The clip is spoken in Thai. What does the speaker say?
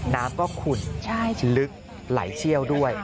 น้ำก็ขุ่นลึกไหลเชี่ยวด้วย